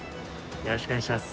よろしくお願いします。